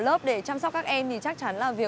làm hình đầu hỏa tùm áp á